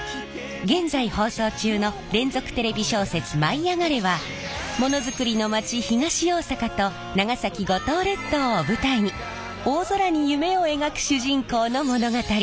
現在放送中の連続テレビ小説「舞いあがれ！」はものづくりの町東大阪と長崎五島列島を舞台に大空に夢を描く主人公の物語！